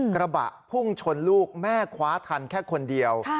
กระบะพุ่งชนลูกแม่คว้าทันแค่คนเดียว